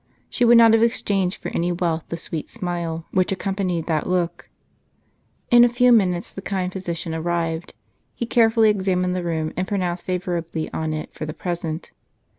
She would not have exchanged for any wealth the sweet smile which accompanied that look. In a few minutes the kind physician arrived. He care fully examined the wound, and pronounced favorably on it for the present.